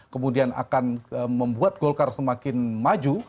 kemudian akan membuat golkar semakin maju